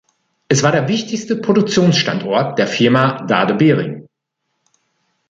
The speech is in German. Es war der wichtigste Produktionsstandort der Firma Dade Behring.